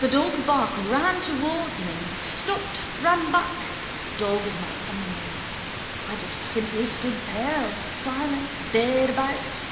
The dog's bark ran towards him, stopped, ran back. Dog of my enemy. I just simply stood pale, silent, bayed about.